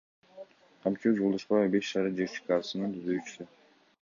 Камчыбек Жолдошбаев — Беш Сары ЖЧКсынын түзүүчүсү.